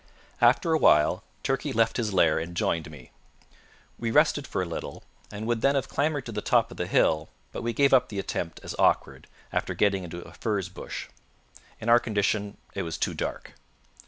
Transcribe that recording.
After a while, Turkey left his lair and joined me. We rested for a little, and would then have clambered to the top of the hill, but we gave up the attempt as awkward after getting into a furze bush. In our condition, it was too dark.